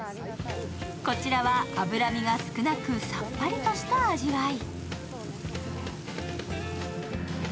こちらは脂身が少なくさっぱりとした味わい。